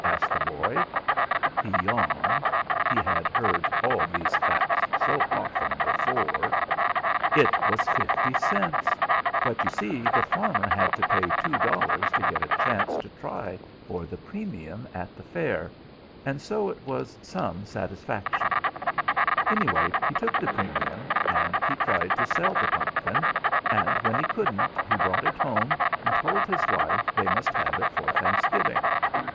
asked the boy. He yawned; he had heard all these facts so often before. [Illustration: TOOK THE FIRST PREMIUM AT THE COUNTY FAIR.] "It was fifty cents; but you see the farmer had to pay two dollars to get a chance to try for the premium at the fair; and so it was some satisfaction. Anyway, he took the premium, and he tried to sell the pumpkin, and when he couldn't, he brought it home and told his wife they must have it for Thanksgiving.